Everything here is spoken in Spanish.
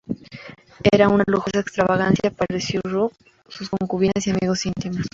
Era una lujosa extravagancia para el Rey Zhou, sus concubinas y amigos íntimos.